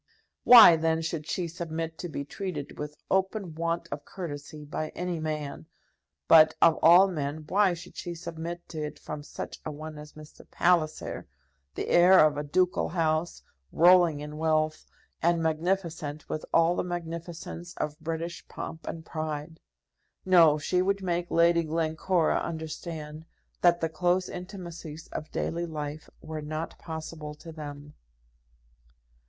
Why, then, should she submit to be treated with open want of courtesy by any man; but, of all men, why should she submit to it from such a one as Mr. Palliser, the heir of a ducal house, rolling in wealth, and magnificent with all the magnificence of British pomp and pride? No; she would make Lady Glencora understand that the close intimacies of daily life were not possible to them!